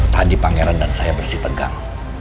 tadi pangeran dan saya bersih tegang